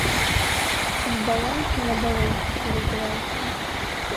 З балонкі на балонку перабіраўся.